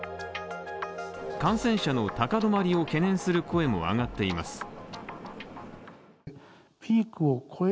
感染者の高止まりを懸念する声も上がっています。